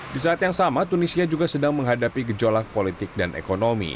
di saat yang sama tunisia juga sedang menghadapi gejolak politik dan ekonomi